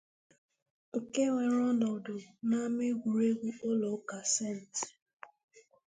nke weere ọnọdụ n'ama egwuregwu ụlọụka 'St